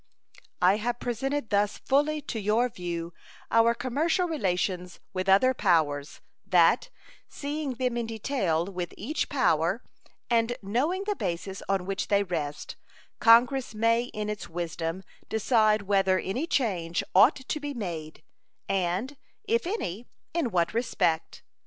I have presented thus fully to your view our commercial relations with other powers, that, seeing them in detail with each power, and knowing the basis on which they rest, Congress may in its wisdom decide whether any change ought to be made, and, if any, in what respect.